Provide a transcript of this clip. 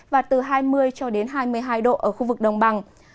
và từ hai mươi cho đến hai mươi hai độ ở khu vực đồng bằng